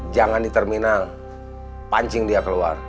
jangan di terminal pancing dia keluar